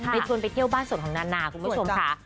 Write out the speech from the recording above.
ชวนไปเที่ยวบ้านส่วนของนานาคุณผู้ชมค่ะ